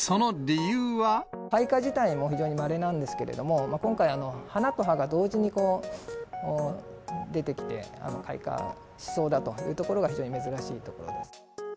開花自体も非常にまれなんですけれども、今回、花と葉が同時に出てきて開花しそうだというところが、非常に珍しいところです。